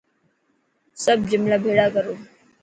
سب جملا ڀيٿڙا ڪرو.